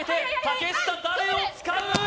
竹下誰を使うー？